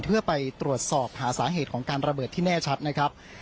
เพื่อไปตรวจสอบหาสาเหตุของการระเบิดที่แน่ชัดนะครับ